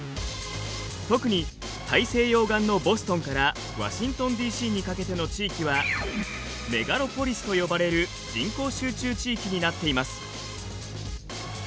特に大西洋岸のボストンからワシントンＤ．Ｃ．にかけての地域はメガロポリスと呼ばれる人口集中地域になっています。